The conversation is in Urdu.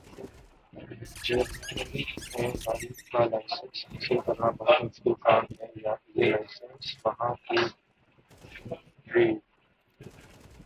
۔جرمنی میں گاڑی کا لائسنس حاصل کرنا بہت مشکل کام ہے۔ یہ لائسنس وہاں کی ٹریف